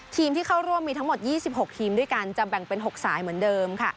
ที่เข้าร่วมมีทั้งหมด๒๖ทีมด้วยกันจะแบ่งเป็น๖สายเหมือนเดิมค่ะ